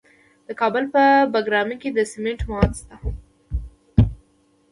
د کابل په بګرامي کې د سمنټو مواد شته.